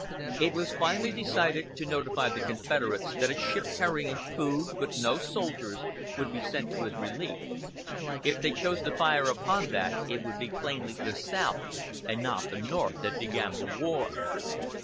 It was finally decided to notify the Confederates that a ship carrying food, but no soldiers, would be sent to his relief. If they chose to fire upon that it would be plainly the South, and not the North, that began the war.